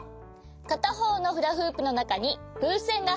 かたほうのフラフープのなかにふうせんがはいってます。